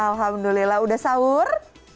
alhamdulillah udah sahur